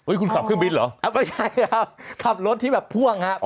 คุณขับเครื่องบินเหรอไม่ใช่ครับขับรถที่แบบพ่วงครับ